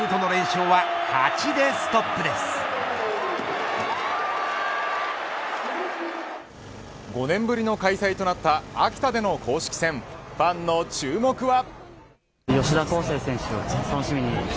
ヤクルトの連勝は５年ぶりの開催となった秋田での公式戦へファンの注目は。